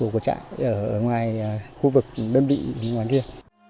của trại ở ngoài khu vực đơn vị ngoài kia